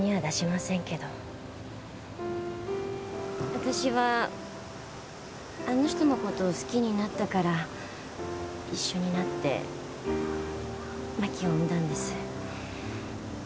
わたしはあの人のことを好きになったから一緒になって真希を産んだんです。